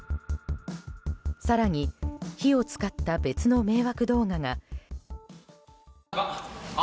更に火を使った別の迷惑動画が。